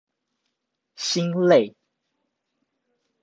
心累